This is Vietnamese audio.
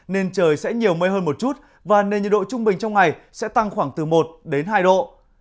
nên trời sẽ nhiều mây hơn một chút và nền nhiệt độ trung bình trong ngày sẽ tăng khoảng từ một đến hai độ